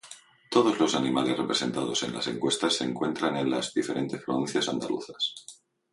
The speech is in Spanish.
Todos los animales representados en las encuestas se encuentran en las diferentes provincias andaluzas.